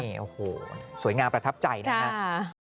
โอ้โหสวยงามประทับใจนะครับ